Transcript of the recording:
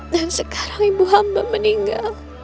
dan sekarang ibu hamba meninggal